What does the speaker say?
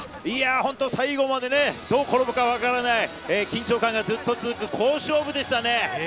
最後までどう転ぶかわからない緊張感がずっと続く好勝負でしたね。